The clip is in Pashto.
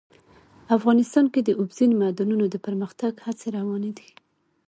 افغانستان کې د اوبزین معدنونه د پرمختګ هڅې روانې دي.